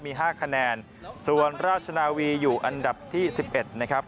มี๕คะแนนส่วนราชนาวีอยู่อันดับที่๑๑นะครับ